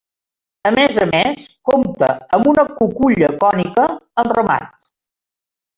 A més a més, compta amb una cuculla cònica amb remat.